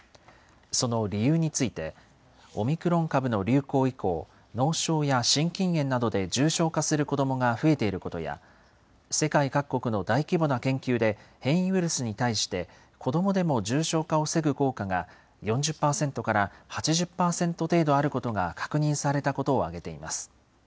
その理由について、オミクロン株の流行以降、脳症や心筋炎などで重症化する子どもが増えていることや、世界各国の大規模な研究で、変異ウイルスに対して子どもでも重症化を防ぐ効果が、４０％から８０％程度あることが確認されたことを挙げています。